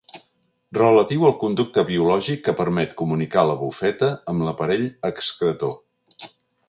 Relatiu al conducte biològic que permet comunicar la bufeta amb l'aparell excretor.